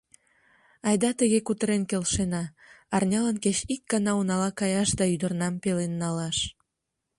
Айда тыге кутырен келшена: арнялан кеч ик гана унала каяш да ӱдырнам пелен налаш.